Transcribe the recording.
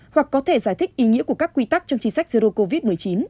hoặc có thể giải thích ý nghĩa của các quy tắc trong chính sách zero covid một mươi chín